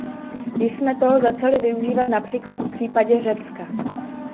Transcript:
Již jsme toho začali využívat, například v případě Řecka.